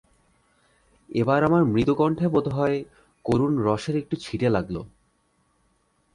এবার আমার মৃদুকণ্ঠে বোধ হয় করুণ রসের একটু ছিটে লাগল।